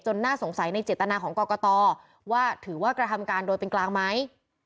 น่าสงสัยในเจตนาของกรกตว่าถือว่ากระทำการโดยเป็นกลางไหม